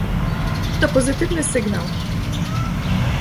To pozytywny sygnał